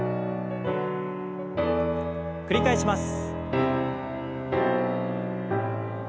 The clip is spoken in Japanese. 繰り返します。